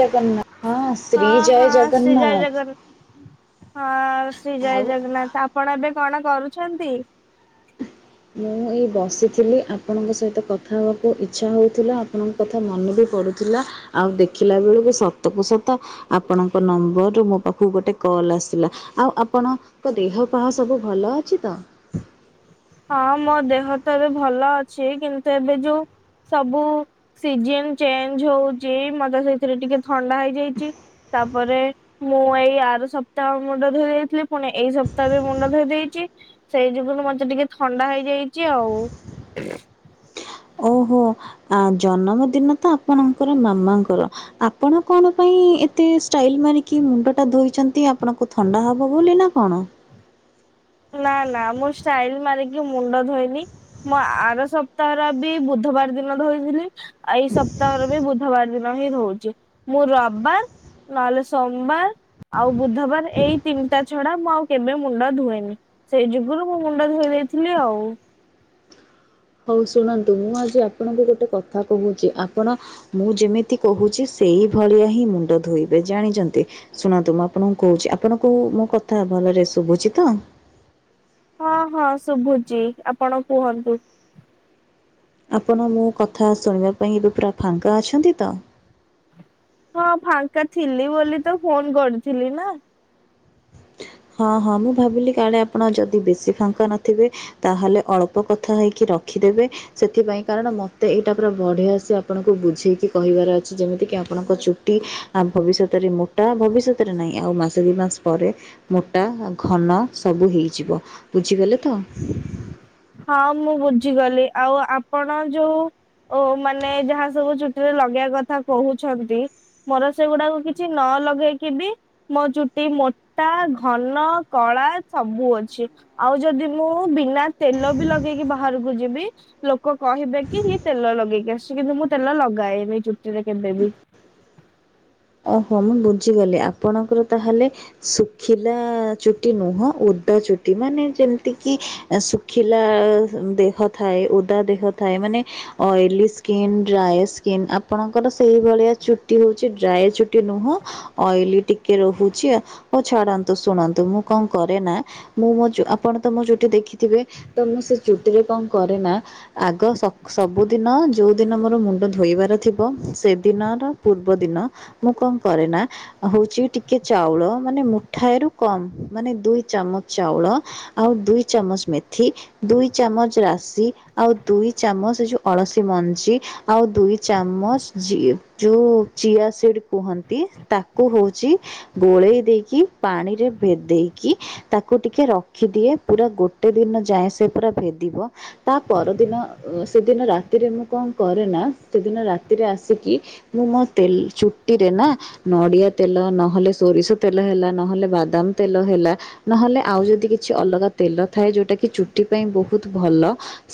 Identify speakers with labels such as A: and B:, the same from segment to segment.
A: ଜଗନ୍ନାଥ ହଁ ଶ୍ରୀ
B: ହଁ
A: ଜୟ
B: ହଁ ଶ୍ରୀ ଜୟ
A: ଜଗନ୍ନାଥ
B: ଜଗନ୍ ହଁ ଶ୍ରୀ
A: ଆଉ
B: ଜୟ ଜଗନ୍ନାଥ ଆପଣ ଏବେ କଣ କରୁଛନ୍ତି।
A: ମୁଁ ଏଇ ବସିଥିଲି ଆପଣଙ୍କ ସହିତ କଥା ହେବାକୁ ଇଚ୍ଛା ହେଉଥିଲା ଆପଣଙ୍କ କଥା ମନେ ବି ପଡ଼ୁଥିଲା ଆଉ ଦେଖିଲା ବେଳକୁ ସତକୁ ସତ ଆପଣଙ୍କ ନମ୍ବର ରୁ ମୋ ପାଖକୁ ଗୋଟେ କଲ୍ ଆସିଲା। ଆଉ ଆପଣଙ୍କ ଦେହ ପାହ ସବୁ ଭଲ ଅଛି ତ?
B: ହଁ ମୋ ଦେହ ତ ଏବେ ଭଲ ଅଛି କିନ୍ତୁ ଏବେ ଯୋଉ ସବୁ ସିଜନ ଚେଞ୍ଜ ହଉଚି ମତେ ସେ ସେଥିରେ ଟିକେ ଥଣ୍ଡା ହେଇଯାଇଚି ତାପରେ ମୁଁ ଏଇ ଆର ସପ୍ତାହ ମୁଣ୍ଡ ଧୋଇ ଦେଇେଇଥିଲି ପୁଣି ଏଇ ସପ୍ତାହ ବି ମୁଣ୍ଡ ଧୋଇ ଦେଇଚି। ସେଇ ଯୁଗୁରୁ ମତେ ଟିକେ ଥଣ୍ଡା ହେଇଯାଇଛି ଆଉ।
A: ଓହୋ ଆ ଜନ୍ମ ଦିନ ତ ଆପଣଙ୍କର ମାମାଙ୍କର ଆପଣ କଣ ପାଇଁ ଏତେଷ୍ଟାଇଲ ମାରିକି ମୁଣ୍ଡ ଟା ଧୋଇଛନ୍ତି ଆପଣକୁ ଥଣ୍ଡା ହବ ବୋଲି ନା କଣ?
B: ନା ନା ମୁଁ ଷ୍ଟାଇଲ ମାରିକି ମୁଣ୍ଡ ଧୋଇନି। ମୁଁ ଆର ସପ୍ତାହର ବି ବୁଧବାର ଦିନ ଧୋଇଥିଲି। ଉ ଏଇ ସପ୍ତାହରେ ବି ବୁଧବାର ଦିନ ହିଁ ଧୋଉଚି। ମୁଁ ରବବାର ନହେଲେ ସୋମବାର ଆଉ ବୁଧବାର ଏଇ ତିନିଟା ଛଡା ମୁଁ ଆଉ କେବେ ମୁଣ୍ଡ ଧୁଏନି ସେଇ ଯୁଗରୁ ମୁଁ ମୁଣ୍ଡ ଧୋଇ ଦେଇଥିଲି ଆଉ।
A: ହଉ ଶୁଣନ୍ତୁ ମୁଁ ଆଜି ଆପଣଙ୍କୁ ଗୋଟେ କଥା କହୁଛି ଆପଣ ମୁଁ ଯେମିତି କହୁଛି ସେଇ ଭଳିଆ ହିଁ ମୁଣ୍ଡ ଧୋଇବେ ଜାଣିଛନ୍ତି ଶୁଣନ୍ତୁ ମୁଁ ଆପଣଙ୍କୁ କହୁଛି ଆପଣଙ୍କୁ ମୋ କଥା ଭଲରେ ଶୁଭୁଛି ତ?
B: ହଁ ହଁ ଶୁଭୁଛି ଆପଣ କୁହନ୍ତୁ।
A: ଆପଣ ମୋ କଥା ଶୁଣିବା ପାଇଁ ଏବେ ପୁରା ଫାଙ୍କା ଅଛନ୍ତି?
B: ହଁ ଫାଙ୍କା ଥିଲି ବୋଲି ତ ଫୋନ କରିୁଥିଲି ନା।
A: ହଁ ହଁ ମୁଁ ଭାବିଲି କାଳେ ଆପଣ ଯଦି ବେଶୀ ଫାଙ୍କା ନଥିବେ ତାହେଲେ ଅଳ୍ପ କଥା ହେଇକି ରଖିଦେବେ ସେଥିପାଇଁ କାରଣ ମତେ ଏଇଟା ପୁରା ବଢିଆସି ଆପଣଙ୍କୁ ବୁଝେଇକି କହିବାର ଅଛି ଯେମିତି କିି ଆପଣଙ୍କ ଚୁଟି ଆଉ ଭବିଷ୍ୟତରେ ମୋଟା ଭବିଷ୍ୟତରେ ନାହିଁ ଆଉ ମାସେ ଦୁଇ ମାସ ପରେ ମୋଟା ଘନ ସବୁ ହେଇଯିବ ବୁଝିଗଲେ ତ?
B: ହଁ ମୁଁ ବୁଝିଗଲି ଆଉ ଆପଣ ଯୋଉ ଓ ମାନେ ଯାହା ସବୁ ଚଛୁଟିରେ ଲଗେଇବା କଥା କହୁଛନ୍ତି ମୋର ସେଗୁଡାକୁ କିଛି ନ ଲଗେଇକି ବି ମୋ ଚୁଟି ମୋଟା ଘନ କଳା ସବୁ ଅଛି। ଆଉ ଯଦି ମୁଁ ବିନା ତେଲ ବି ଲଗେଇକି ବାହାରକୁ ଯିବି ଲୋକ କହିବେ କି ହି ଇଏ ତେଲ ଲଗେଇକି ଆସିଛି କିନ୍ତୁ ମୁଁ ତେଲ ଲଗାଏନି ଏ ଚୁଟିରେ କେବେ ବି।
A: ଓହୋ ମୁଁ ବୁଝିଗଲି ଆପଣଙ୍କର ତାହେଲେ ଶୁଖିଲା ଚୁଟି ନୁହଁ ଉଦା ଚୁଟି ମାନେ ଯେମତି କିି ସୁ ଶୁଖିଲା ଦେହ ଥାଏ ଓଦା ଦେହ ଥାଏ ମାନେ ଓଇଲି ସ୍କିନ ଡ୍ରାଇ ସ୍କିନ ଆପଣଙ୍କର ସେଇ ଭଳିଆ ଚୁଟି ହାଉଛି ଡ୍ରାଇ ଚୁଟି ନୁହଁ। ଓଇଲି ଟିକେ ରହୁଛି ହଉ ଛାଡନ୍ତୁ ଶୁଣନ୍ତୁ ମୁ କଣ କରେ ନ। ମୁ ମୋ ଚୁ ଆପଣ ତ ମେ ଚୁଟି ଦେଖିଥିବେ ତ ସେ ଚୁଟି ରେ କଣ କରେ ନା ଆଗ ସ ସବୁଦିନ ଯେଉଁଦିନ ମୋର ମୁଣ୍ଡ ଧୋଇବାର ଥିବ ସେଦିନ ର ପୂର୍ବଦିନ। ମୁଁ କଣ କରେ ନା। ହଉଛି ଟିକେ ଚାଉଳ ମାନେ ମୁଠାଏ ରୁ କମ ମାନେ ଦୁଇ ଚାମଚ ଚାଉଳ। ଆଉ ଦୁଇ ଚାମଚ ମେଥି। ଦୁଇ ଚାମଚ ରାଶି ଆଉ ଦୁଇ ଚାମଚ ଏ ଯୋଉ ଅଳସୀ ମଞ୍ଜି। ଆଉ ଦୁଇ ଚାମଚ ଯୋଉ ଚିଆ ସିଡ୍ ଡ୍ କୁହନ୍ତି ତାକୁ ହଉଛି ଗୋଳେଇ ଦେଇକି ପାଣିରେ ଭେଦେଇକି। ତାକୁ ଟିକେ ରଖିଦିଏ ପୁରା ଗୋଟେ ଦିନ ଯାଏଁ ସେ ପୁରା ଭେଦିବ। ତା ପରଦିନ ସେଦିନ ରାତିରେ ମୁଁ କଣ କରେ ନା ସେଦିନ ରାତିରେ ଆସିକି ମୁଁ ନା ତେ ଚୁ ଚୁଟିରେ ନା ନଡିଆ ତେଲ ନହେଲେ ସୋରିଷ ତେଲ ହେଲା ନହେଲେ ବାଦାମ ତେଲ ହେଲା। ନହେଲେ ଆଉ ଯଦି କିଛି ଅଲଗା ତେଲ ଥାଏ ଯୋଉଟା କି ଚୁଟି ପାଇଁ ବହୁତ ଭଲ।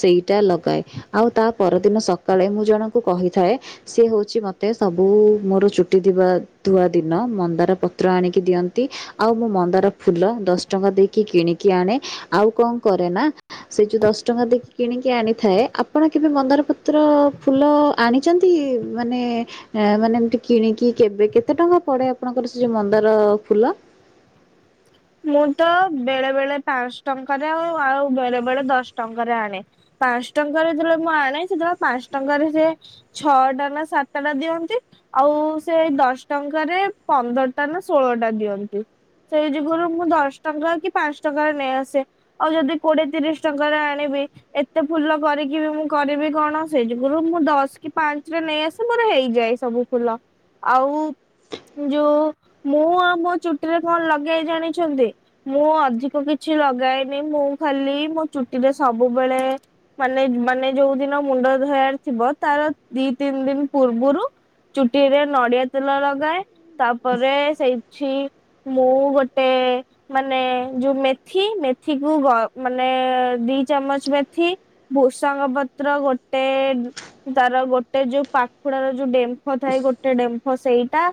A: ସେଇଟା ଲଗାଏ ଆଉ ତା ପରଦିନ ସକାଳେ ମୁଁ ଜଣଙ୍କୁ କହୁଥାଏ। ସିଏ ହଉଛି ମତେ ସବୁ ମୋର ଚୁଟି ଥିବା ଧୁଆ ଦିନ ମନ୍ଦାର ପତ୍ର ଆଣିକି ଦିଅନ୍ତି। ଆଉ ମୁଁ ମନ୍ଦାର ଫୁଲ ଦଶ ଟଙ୍କା ଦେଇକି କିଣିକି ଆଣେ ଆଉ କଣ କରେ ନା ସେ ଯୋଉ ଦଶ ଟଙ୍କା ଦେଇକି କିଣିକି ଆଣିଥାଏ ଆପଣ କେବେ ମନ୍ଦାର ପତ୍ର ଫୁଲ ଆଣିଛନ୍ତି ମାନେ ମାନେ ଏମିତି କିଣିକି କେବେ କେତେ ଟଙ୍କା ପଡ଼େ ଆପଣଙ୍କର ସେ ଯେଉଁ ମନ୍ଦାର ଫୁଲ?
B: ମୁଁ ତ ବେଳେ ବେଳେ ପାଞ୍ଚ ଟଙ୍କାରେ ଆ ଆଉ ବେଳେ ବେଳେ ଦଶ ଟଙ୍କାରେ ଆଣେ। ପାଞ୍ଚ ଟଙ୍କାରେ ଯେତେବେଳେ ମୁଁ ଆଣ ସେତେବେଳେ ପାଞ୍ଚ ଟଙ୍କାରେ ସେ ଛଅଟା ନା ସାତଟା ଟା ଦିଅନ୍ତି। ଆଉ ସେଇ ଦଶ ଟଙ୍କାରେ ପନ୍ଦରଟା ନା ଷୋହଳ ଟା ଦିଅନ୍ତି ସେଇ ଯୁଗରୁ ମୁଁ ଦଶ ଟଙ୍କା କି ପାଞ୍ଚ ଟଙ୍କାରେ ନେଇ ଆସେ ଆଉ ଯଦି କୋଡିଏ ତିରିଶ ଟଙ୍କା ରେ ଆଣିବି। ଏତେ ଫୁଲ କରିକି ବି ମୁଁ କରିବି କଣ ସେଇ ଯୁଗରୁ ମୁଁ ଦଶ କି ପାଞ୍ଚ ରେ ନେଇ ଆସ ମୋର ହେଇଯାଏ ସବୁ। ଫୁଲ ଆଉ ଯୋଉ ମୁଁ ଆଉ ମୋ ଚୁଟିରେ କଣ ଲଗେଇ ଜଣ ଛନ୍ତି? ମୁଁ ଅଧିକ କିଛି ଲଗାଏନି ମୁଁ ଖାଲି ମୋ ଚୁଟିରେ ସବୁବେଳେ ମାନେ ମାନେ ଯୋଉ ଦିନ ମୁଣ୍ଡ ଧୋଇବାରା ଥିବ ତାର ଦି ତିନି ଦିନ ପୂର୍ବରୁ ଚୁଟିରେ ନଡିଆ ତେଲ ଲଗାଏ ତାପରେ ସେଇଠି ମୁଁ ଗୋ ଟେ ମାନେ ଯୋଉ ମେଥି ମେଥି କୁ ଗ ମାନେ ଦି ଚାମଚ ମେଥି। ଭ୍ରୁସଙ୍ଗ ପତ୍ର ଗୋଟେ ତାର ଗୋଟେ ଯୋଉ ପାଖୁଡାର ଯୋଉ ଡେମ୍ଫ ଥାଏ ଗୋଟେ ଡେମ୍ଫ ସେଇଟା।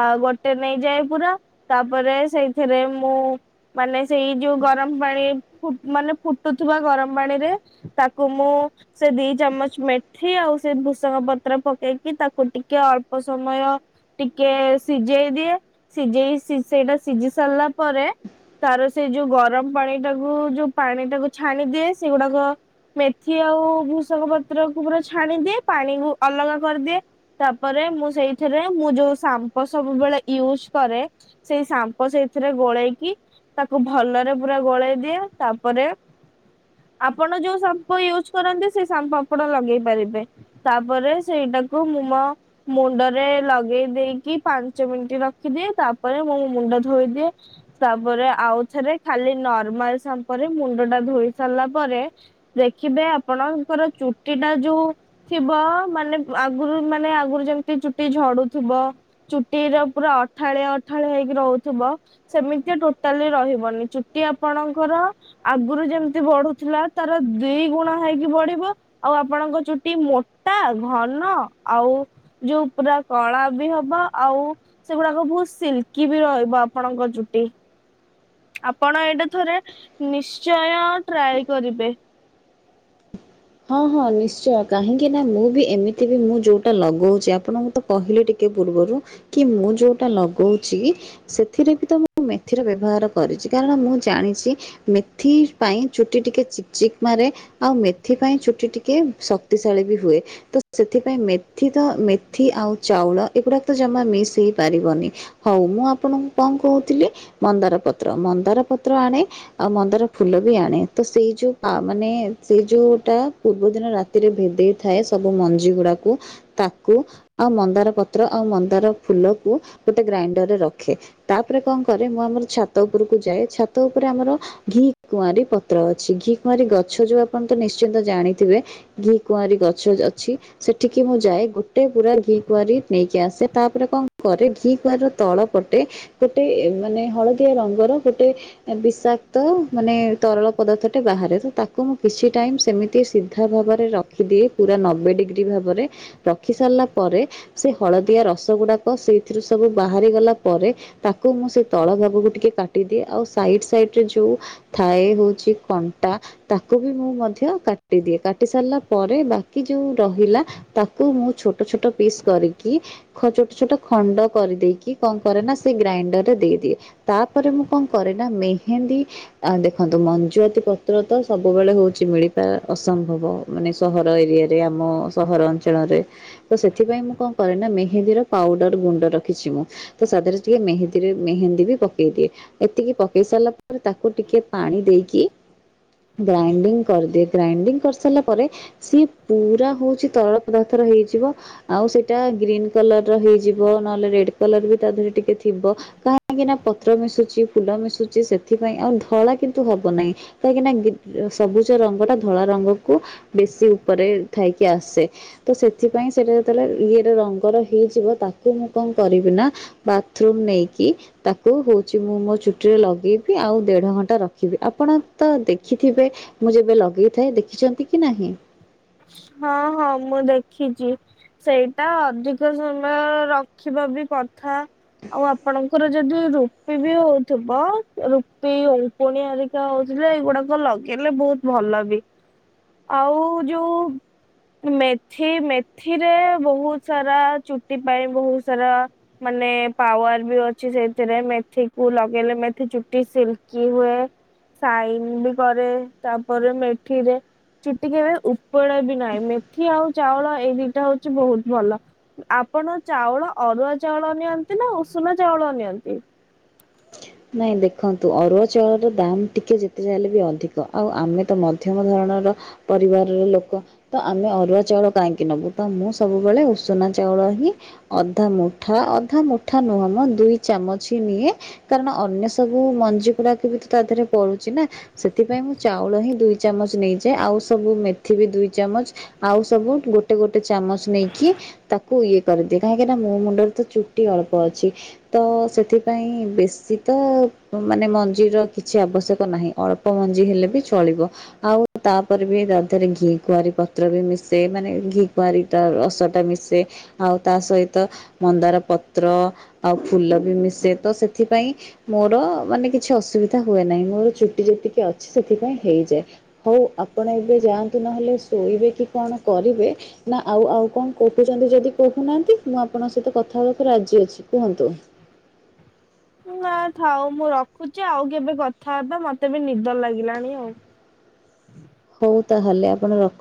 B: ଆଉ ଗୋଟେ ନେଇଯାଏ ପୁରା ତାପରେ ସେଇଥିରେ ମୁଁ ମାନେ ସେଇ ଯୋଉ ଗରମ ପାଣି ଫୁ ମାନେ ଫୁଟୁଥିବା ଗରମ ପାଣି ରେ ତାକୁ ମୁଁ ସେ ଦି ଚାମଚ ମେଥି ଆଉ ସେ ଭୂସଙ୍ଗ ପତ୍ର ପକେଇକି ତାକୁ ଟିକେ ଅଳ୍ପ ସମୟ ଟିକେ ସିଝେଇ ଦିଏ ସିଝେଇ ସେଇଟା ସିଝି ସାରିଲା ପରେ ତାର ସେ ଯୋଉ ଗରମ ପାଣି ଟାକୁ ଯୋଉ ପାଣି ଟାକୁ ଛାଣିଦିଏ ସେଗୁଡାକ ମେଥି ଆଉ ଭ୍ରୁସଙ୍ଗ ପତ୍ର କୁ ପୁରା ଛାଣିଦିଏ ପାଣିକୁ ଅଲଗା କରିଦିଏ। ତାପରେ ମୁଁ ସେଇଥିରେ, ମୁଁ ଯୋଉ ସାମ୍ପ ସବୁବେଳେ ୟୁଜ୍ କରେ ସେଇ ସା ମ୍ପ ସେଇଥିରେ ଗୋଳେଇକି ତାକୁ ଭଲରେ ପୁରା ଗୋଳେଇ ଦିଏ। ତାପରେ ଆପଣ ଯୋଉ ସାମ୍ପ ୟୁଜ୍ କରନ୍ତି, ସେ ସାମ୍ପୋ ଆପଣ ଲଗେଇ ପାରିବେ। ତାପରେ ସେଇଟାକୁ ମୁଁ ମୋ ମୁଣ୍ଡରେ ଲଗେଇ ଦେଇକି ପାଞ୍ଚ ମିନିଟ ରଖିଦିଏ। ତାପରେ ମୁଁ ମୁଣ୍ଡ ଧୋଇଦିଏ। ତାପରେ ଆଉ ଥରେ ଖାଲି ନର୍ମାଲ ସାମ୍ପରେ ମୁଣ୍ଡ ଟା ଧୋଇ ସାରିଲା ପରେ ଦେଖିବେ ଆପଣଙ୍କର ଚୁଟି ଟା ଯୋଉ ଥିବ ମାନେ ଆଗରୁ ମାନେ ଆଗରୁ ଯେମିତି ଚୁଟି ଝଡୁଥିବ ଚୁଟି ଉରା ପୁରା ଅଠାଳିଆ-ଅଠାଳିଆ ହେଇକି ରହୁ ଥିବ ସେମିତି ଟୋଟାଲି ରହିବନି ଚୁଟି ଆପଣଙ୍କର ଆଗୁରୁ ଯେମିତି ବଢୁଥିଲା ତାର ଦି ଗୁଣ ହେଇକି ବଢିବ ଆଉ ଆପଣଙ୍କ ଚୁଟି ମୋଟା ଘନ ଆଉ ଯୋଉ ପୁରା କଳା ବି ହବ, ଆଉ ସେଗୁଡାକ ବହୁତ ସିଲକି ବି ରହି ବ ଆପଣଙ୍କ ଚୁଟି। ଆପଣ ଏଇଟା ଥରେ ନିଶ୍ଚୟ ଟ୍ରାଏ କରିବେ।
A: ହଁ-ହଁ ନିଶ୍ଚୟ କାହିଁକି ନା ମୁଁ ବି ଏମିତି ବି ମୁଁ ଯୋଉଟା ଲଗଉଚି ଆପଣଙ୍କୁ କହିଲେ ଟିକେ ପୂର୍ବରୁ କି ମୁଁ ଯୋଉଟା ଲଗଉଛି। ସେଥିରେ ବି ତ ମୁଁ ମେଥିର ବ୍ୟବହାର କରିଚି, କାରଣ ମୁଁ ଜାଣିଛି ମେଥି ପାଇଁ ଚୁଟି ଟିକେ ଚିକ୍-ଚିକ୍ ମାରେ ଆଉ ମେ ଥି ପାଇଁ ଚୁଟି ଟିକେ ଶକ୍ତିଶାଳୀ ବି ହୁଏ। ତ ସେଥିପାଇଁ ମେଥି ତ ମେଥି ଆଉ ଚାଉଳ ଏଗୁଡାକ ତ ଜମା ମିସ୍ ହେଇପାରିବନି। ହଉ ମୁଁ ଆପଣଙ୍କୁ କଣ କହୁଥିଲି ମନ୍ଦାର ପତ୍ର ମନ୍ଦାର ପତ୍ର ଆଣେ ଆଉ ମନ୍ଦାର ଫୁଲ ବି ଆଣେ, ତ ସେଇ ଯୋଉ ମାନେ ସେଇ ଯୋଉ ଟା ପୂର୍ବ ଦିନ ରାତିରେ ଭିଦେଇଥାଏ ସବୁ ମଞ୍ଜି ଗୁଡାକୁ ତାକୁ ଆଉ ମନ୍ଦାର ପତ୍ର ଆଉ ମନ୍ଦାର ଫୁଲକୁ ଗୋଟେ ଗ୍ରାଇଣ୍ଡରରେ ରଖେ। ତାପରେ କଣ କରେ, ମୁଁ ଆମର ଛାତ ଉପରକୁ ଯାଏ ଛାତ ଉପରେ ଆମର ଘି କୁଆଁରୀ ପତ୍ର ଅଛି, ଘି କୁଆଁରୀ ଗଛ ଯୋଉ ଆପଣ ତ ନିଶ୍ଚିନ୍ତ ଜାଣିଥିବେ। ଘି କୁଆଁରୀ ଗଛ ଅଛି। ସେଠିକି ମୁଁ ଯାଏ ଗୋଟେ ପୁରା ଘି କୁଆଁରି ନେଇକି ଆସେ, ତାପରେ କଣ କରେ ଘି କୁଆଁରି ର ତଳ ପଟେ ଗୋଟେ ମାନେ ହଳଦିଆ ରଙ୍ଗର ଗୋଟେ ବିଷାକ୍ତ ମାନେ ତରଳ ପଦାର୍ଥ ଟେ ବାହାରେ ତ ତାକୁ ମୁଁ କିଛି ଟାଇମ୍ ସେମିତି ସିଧା ଭାବରେ ରଖିଦିଏ ପୁରା ନବେ ଡିଗ୍ରୀ ଭାବରେ। ରଖି ସାରିଲା ପରେ, ସେ ହଳଦିଆ ରସ ଗୁଡାକ ସେଇଥିରୁ ସବୁ ବାହାରି ଗଲା ପରେ ତାକୁ ମୁଁ ସେ ତଳ ଭାଗକୁ ଟିକେ କାଟିଦିଏ, ଆଉ ସାଇଡ ସାଇଡରେ ଯୋଉ ଥାଏ ହଉଛି କଣ୍ଟା ତାକୁ ବି ମୁଁ ମ ମଧ୍ୟ କାଟିଦିଏ, କାଟି ସାରିଲା ପରେ ବାକି ଯୋଉ ରହିଲା ତାକୁ ମୁଁ ଛୋଟ-ଛୋଟ ପିସ୍ କରିକି ଖ ଛୋଟ-ଛୋଟ ଖଣ୍ଡ କରିଦେଇକି କଣ କରେ ନା ସେ ଗ୍ରାଇଣ୍ଡର ରେ ଦେଇଦିଏ। ତାପରେ ମୁଁ କଣ କରେ ନା ମେହେନ୍ଦୀ ଆ ଦେଖନ୍ତୁ ମଞ୍ଜୁଆତି ପତ୍ର ତ ସବୁବେଳେ ହଉ [unintelligible] ମିଳିବା ଅସମ୍ଭବ ମାନେ ସହର ଏରିଆରେ ଆମ ସହର ଅଞ୍ଚଳରେ ତ ସେଥିପାଇଁ ମୁଁ କଣ କରେ ନା ମେହେନ୍ଦୀର ପାଉଡର୍ ଗୁଣ୍ଡ ରଖିଛି ମୁଁ। ତ ସାଧରେ ଟିକେ ମେହେନ୍ଦୀରେ ମେହେନ୍ଦୀ ବି ପକେଇଦିଏ। ଏତିକି ପକେଇ ସାରିଲା ପରେ ତାକୁ ଟିକେ ପାଣି ଦେଇକି ଗ୍ରାଇଣ୍ଡିଙ୍ଗ କରିଦିଏ ଗ୍ରାଇଡିଙ୍ଗ କରିସାରିଲା ପରେ ସିଏ ପୁରା ହଉଛି ତରଳ ପଦାର୍ଥର ହେଇଯିବ। ଆଉ ସେଇଟା ଗ୍ରୀନ୍ କଲର୍ ର ହେଇଯିବ ନହେଲେ ରେଡ୍ କଲର୍ ବି ତା ଦେହରେ ଟିକେ ଥିବ। କାହିଁକି ନା ପତ୍ର ମିଶୁଚି ଫୁଲ ମିଶୁଚି ସେଥି ପାଇଁ ଆଉ ଧଳା କିନ୍ତୁ ହବ ନାହିଁ। କାହିଁକି ନା ଗି ସବୁଜ ରଙ୍ଗ ଟା ଧଳା ରଙ୍ଗକୁ ବେଶୀ ଉପରେ ଥାଇକି ଆସେ। ତ ସେଥି ପାଇଁ ସେଟା ଯେତେବେଳେ ଇଏରେ ରଙ୍ଗର ହେଇଯିବ ତାକୁ ମୁଁ କଣ କରିବି ନା। ବାଥରୁମ୍ ନେଇକି। ତାକୁ ହେଉଛି ମୁଁ ମୋ ଚୁଟିରେ ଲଗେଇବି ଆଉ ଦେଢେ ଘଣ୍ଟା ରଖିବି ଆପଣ ତ ଦେଖିଥିବେ? ମୁଁ ଯେବେ ଲଗେଇଥାଏ ଦେଖିଛନ୍ତି କି ନାହିଁ?
B: ହଁ ହଁ ମୁଁ ଦେଖିଚି। ସେଇଟା ଅଧିକ ସମୟ ରଖିବା ବି କଥା। ଆଉ ଆପଣଙ୍କର ଯଦି ରୁପି ବି ହଉଥିବ ରୁପି ଉ ଉକୁଣୀ ହେରିକା ହଉଥିଲେ ଏଇଗୁଡ଼ାକ ଲଗେଇଲେ ବହୁତ ଭଲ ବି ଆଉ ଯୋଉ ମେଥି ମେଥିରେ ବହୁତ ସାରା ଚୁଟି ପାଇଁ ବହୁତ ସାରା। ମାନେ ପାୱାର ବି ଅଛି ସେଥିରେ ମେଥି କୁ ଲଗେଇଲେ ମେଥି ଚୁଟି ସିଲ୍କ ହୁଏ। ସାଇନ ବି କରେ ତାପରେ ମେଠିରେ ଚୁଟି କେବେ ଉ ପଡ଼େ ବି ନାହିଁ ମେଥି ଆଉ ଚାଉଳ ଏଇ ଦିଟା ହଉଚି ବହୁତ ଭଲ। ଆପଣ ଚାଉଳ ଅରୁଆ ଚାଉଳ ନିଅନ୍ତି ନା ଉଷୁନା ଚାଉଳ ନିଅନ୍ତି?
A: ନାଇଁ ଦେଖନ୍ତୁ ଅରୁଆ ଚାଉଳର ଦାମ୍ ଟିକିଏ ଯେତେ ଚା ହେଲେ ବି ଅଧିକ ଆଉ ଆମେ ତ ମଧ୍ୟମ ଧରଣର। ପରିବାରର ଲୋକ। ତ ଆମେ ଅରୁଆ ଚାଉଳ କାହିଁକି ନବୁ ତ ମୁଁ ସବୁବେଳେ ଉଷୁନା ଚାଉଳ ହିଁ। ଅଧା ମୁଠା ଅଧା ମୁଠା ନୁହଁ ମ ଦୁଇ ଚାମଚହି ନିଏ। କାରଣ ଅନ୍ୟ ସବୁ ମଞ୍ଜି ଗୁଡ଼ାକ ବି ତା ଦେହରେ ପଡୁଚି ନା। ସେଥିପାଇଁ ମୁଁ ଚାଉଳ ହିଁ ଦୁଇ ଚାମଚ ନେଇଯାଏ ଆଉ ସବୁ ମେଥି ବି ଦୁଇ ଚାମଚ। ଆଉ ସବୁ ଗୋଟେ ଗୋଟେ ଚାମଚ ନେଇ କି। ତାକୁ ଇଏ କରିଦିଏ କାହିଁକି ନା ମୋ ମୁଣ୍ଡରେ ତ ଚୁଟି ଅଳ୍ପ ଅଛି। ତ ସେଥି ପାଇଁ ବେ ବେଶି ମାନେ ମଞ୍ଜିର କିଛି ଆବଶ୍ୟକ ନାହିଁ ଅଳ୍ପ ମଞ୍ଜି ହେଲେ ବି ଚଳିବ। ଆଉ ତାପରେ ବି ତାଦେହରେ ଘି କୁଆଁରୀ ପତ୍ର ବି ମିଶେଇ ମାନେ ଘି କୁଆଁରୀ। ତା ରସ ଟା ମିଶେ ଆଉ ତା ସହିତ। ମନ୍ଦାର ପତ୍ର ଆଉ ଫୁଲ ବି ମିଶେ ତ ସେଥି ପାଇଁ। ମୋର ମାନେ କିଛି ଅସୁବିଧା ହୁଏ ନାହିଁ ମୋର ଚୁଟି ଯେତିକି ଅଛି ସେଥିପାଇଁ ହେଇଯାଏ। ହଉ ଆପଣ ଏବେ ଯାଆନ୍ତୁ ନହେଲେ ଶୋଇବେ କି କଣ କରିବେ। ନା ଆଉ ଆଉ କଣ କହୁଚିନ୍ତି ଯଦି କହୁନାହାନ୍ତି ମୁଁ ଆପଣଙ୍କ ସହିତ କଥା ହବାକୁ ରାଜି ଅଛି। କୁହନ୍ତୁ।
B: ନା ଥାଉ ମୁଁ ରଖୁଚି ଆଉ କେବେ କଥା ହେବା ମତେ ବି ନିଦ ଲାଗିଲାଣି ଆଉ।
A: ହଉ ତାହେଲେ ଆପଣ ରଖ